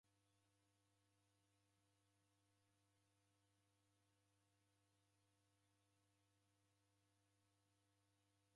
W'adumwa idukenyi.